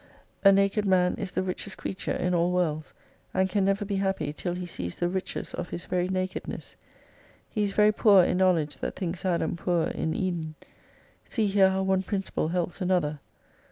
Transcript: A naked man is the richest creature in all worlds, and can never be happy till he sees the riches of his very nakedness. He is very poor in knowledge that thinks Adam poor in Eden. See here how one principle helps another.